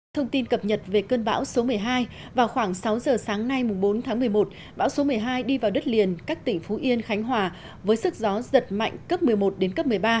thông tin cập nhật về cơn bão số một mươi hai vào khoảng sáu giờ sáng nay bốn tháng một mươi một bão số một mươi hai đi vào đất liền các tỉnh phú yên khánh hòa với sức gió giật mạnh cấp một mươi một đến cấp một mươi ba